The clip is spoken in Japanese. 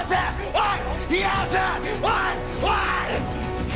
おい！！